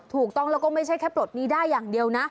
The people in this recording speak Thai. ถูกต้องแล้วก็ไม่ใช่แค่ปลดนี้ได้อย่างเดียวนะ